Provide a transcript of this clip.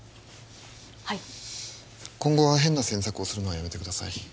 はい今後は変な詮索をするのはやめてください